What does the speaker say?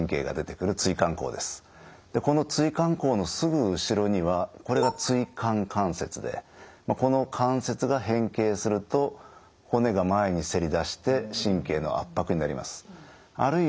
でこの椎間孔のすぐ後ろにはこれが椎間関節でこの関節が変形すると骨が前にせり出して神経の圧迫になります。